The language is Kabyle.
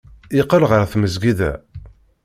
Yeqqel ɣer tmesgida.